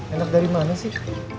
enak dari mana sih